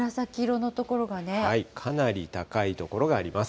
かなり高い所があります。